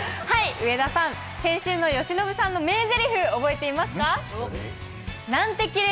上田さん、先週の由伸さんの名ぜりふ、覚えていますか？